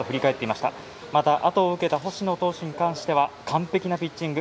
またあとを受けた星野投手に関しては完璧なピッチング。